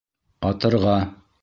Атырға!